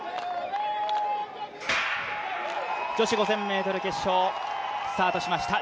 女子５０００ｍ決勝、スタートしました。